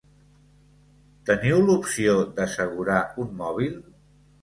Teniu l'opció d'assegurar un mòbil?